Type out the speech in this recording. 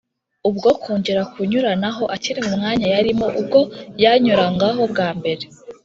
Ubwo kongera kunyuranaho akiri mu mwanya yarimo ubwo yanyurangaho bwambere